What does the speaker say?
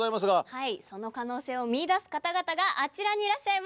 はいその可能性を見いだす方々があちらにいらっしゃいます。